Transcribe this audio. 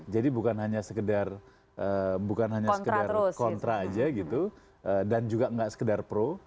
jadi bukan hanya sekedar kontra aja gitu dan juga nggak sekedar pro